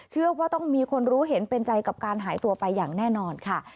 เชื่อว่าต้องมีคนรู้เห็นเป็นใจกับการหายตัวไปอย่างแน่นอนค่ะ